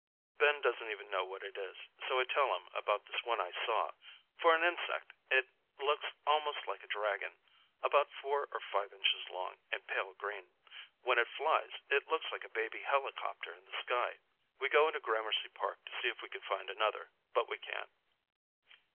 Ben doesn't even know what it is, so I tell him about this one I saw. For an insect, it looks almost like a dragon, about four or five inches long and pale green. When it flies, it looks like a baby helicopter in the sky. We go into Gramercy Park to see if we can find another, but we can't.